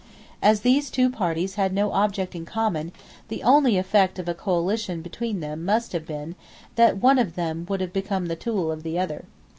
As these two parties had no object in common, the only effect of a coalition between them must have been that one of them would have become the tool of the other.